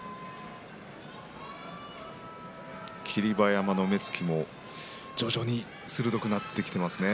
霧馬山の目つきも徐々に鋭くなってきていますね。